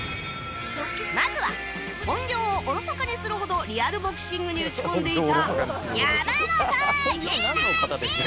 まずは本業をおろそかにするほどリアルボクシングに打ち込んでいた山本博！